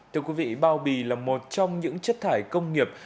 thưa quý vị bao bì là một trong những chất thải công nghiệp